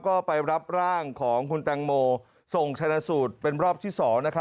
ก็ไปรับร่างของคุณแตงโมส่งชนะสูตรเป็นรอบที่๒